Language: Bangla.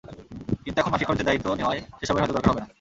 কিন্তু এখন মাসিক খরচের দায়িত্ব নেওয়ায় সেসবের হয়তো দরকার হবে না।